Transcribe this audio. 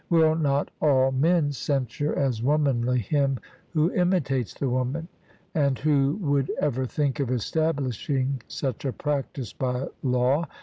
Will not all men censure as womanly him who imitates the woman? And who would ever think of establishing such a practice by law?